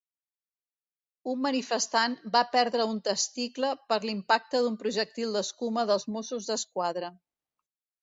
Un manifestant va perdre un testicle per l'impacte d'un projectil d'escuma dels Mossos d'Esquadra.